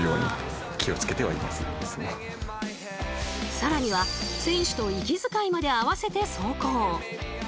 更には選手と息づかいまで合わせて走行。